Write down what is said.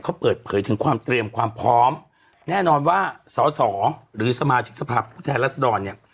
เขาเปิดเผยถึงความเตรียมความพร้อมแน่นอนว่าสอสอหรือสมาชิกสภาพผู้แทนรัศดรเนี่ย